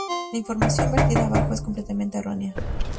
La información vertida abajo es completamente errónea.